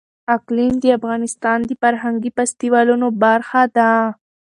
اقلیم د افغانستان د فرهنګي فستیوالونو برخه ده.